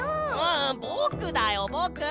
んぼくだよぼく！